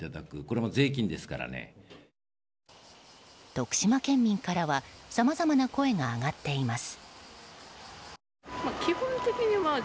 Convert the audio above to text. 徳島県民からはさまざまな声が上がっています。